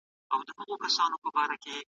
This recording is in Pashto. هر څوک بايد خپلې روغتيا ته پام وکړي.